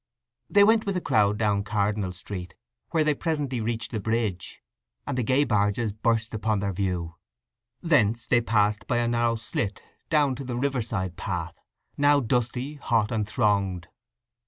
They went with the crowd down Cardinal Street, where they presently reached the bridge, and the gay barges burst upon their view. Thence they passed by a narrow slit down to the riverside path—now dusty, hot, and thronged.